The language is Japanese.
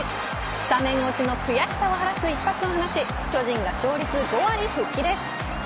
スタメン落ちの悔しさを晴らす一発を放ち巨人が勝率５割復帰です。